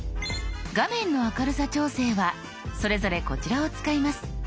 画面の明るさ調整はそれぞれこちらを使います。